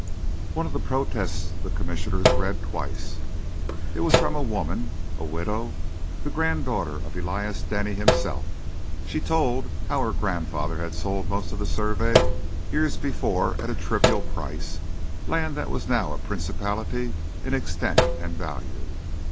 One of the protests the Commissioner read twice. It was from a woman, a widow, the granddaughter of Elias Denny himself. She told how her grandfather had sold most of the survey years before at a trivial price—land that was now a principality in extent and value.